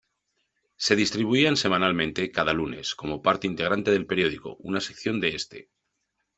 Se distribuían semanalmente, cada lunes, como parte integrante del periódico, una sección de este.